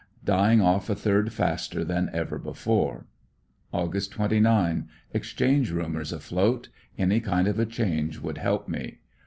Dy ing oif a third faster than ever before. Aug. 29. — Exchange rumors afloat. Any kind of a change would help me.